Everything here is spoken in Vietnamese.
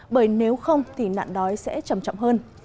bởi nếu không thì nạn đói sẽ chậm chậm hơn